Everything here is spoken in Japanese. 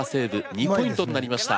２ポイントになりました。